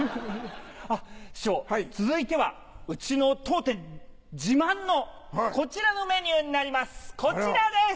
師匠続いては当店自慢のこちらのメニューになりますこちらです！